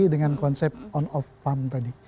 dengan konsep on off pump tadi